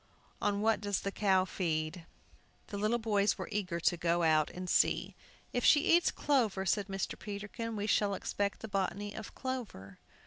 On what does the cow feed?" The little boys were eager to go out and see. "If she eats clover," said Mr. Peterkin, "we shall expect the botany of clover."